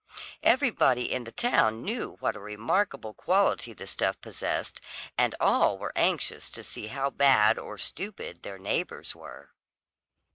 Everybody in the town knew what a remarkable quality the stuff possessed, and all were anxious to see how bad or stupid their neighbours were.